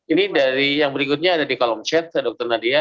ini dari yang berikutnya ada di kolom chat dr nadia